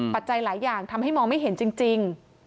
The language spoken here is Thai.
จัยหลายอย่างทำให้มองไม่เห็นจริง